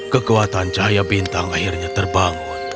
kekuatan cahaya bintang akhirnya terbangun